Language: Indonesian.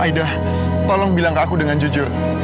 aidah tolong bilang ke aku dengan jujur